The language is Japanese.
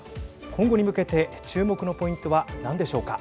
今後に向けて注目のポイントは何でしょうか。